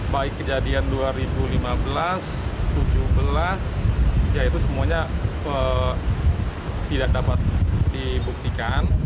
baik kejadian dua ribu lima belas dua ribu tujuh belas ya itu semuanya tidak dapat dibuktikan